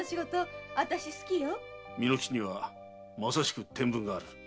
巳之吉にはまさしく天分がある。